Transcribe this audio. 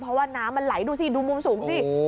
เพราะว่าน้ำไหลดูมุมสูงสิ